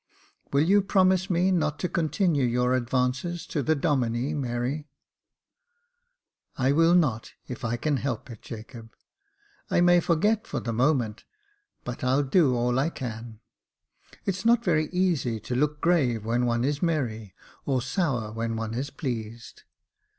"Will you promise me not to continue your advances to the Domine, Mary ?" 248 Jacob Faithful "I will not, if I can help it, Jacob. I may forget for the moment, but I'll do all I can. It's not very easy to look grave when one is merry, or sour when one is pleased."